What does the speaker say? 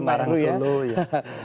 kalimanan kanci semarang solo ya